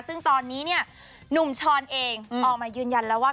ซึ่งตอนนี้เนี่ยหนุ่มช้อนเองออกมายืนยันแล้วว่า